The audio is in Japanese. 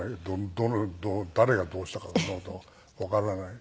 誰がどうしたかそんな事わからない。